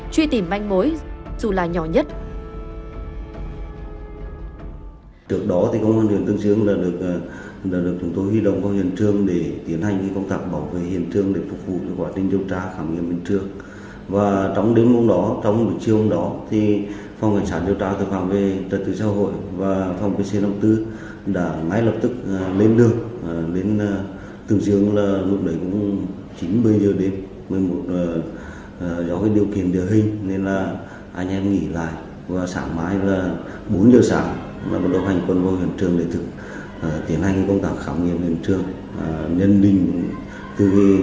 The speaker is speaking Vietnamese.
chuy tìm manh mối dù là nhỏ nhất